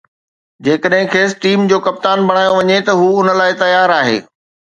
جيڪڏهن کيس ٽيم جو ڪپتان بڻايو وڃي ته هو ان لاءِ تيار آهي